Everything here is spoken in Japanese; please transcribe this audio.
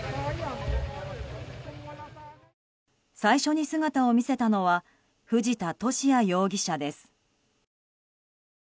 最初に姿を見せたのは藤田聖也容疑者です。